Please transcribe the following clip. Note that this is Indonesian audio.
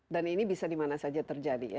dan ini bisa dimana saja terjadi ya